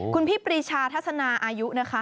คุณพี่ปรีชาทัศนาอายุนะคะ